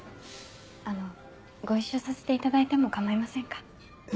あのご一緒させていただいても構いませんか？